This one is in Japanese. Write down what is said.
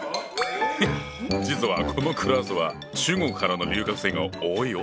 実はこのクラスは中国からの留学生が多いよ。